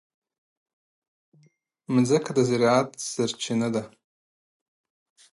مځکه د زراعت سرچینه ده.